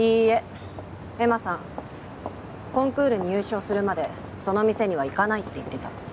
恵麻さんコンクールに優勝するまでその店には行かないって言ってた。